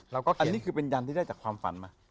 เราก็เขียนอันนี้คือเป็นยันที่ได้จากความฝันไหม